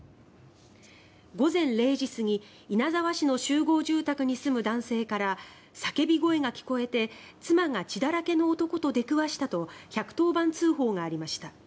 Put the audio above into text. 午前０時過ぎ、稲沢市の集合住宅に住む男性から叫び声が聞こえて妻が血だらけの男と出くわしたと１１０番通報がありました。